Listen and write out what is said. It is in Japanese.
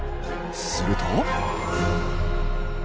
すると。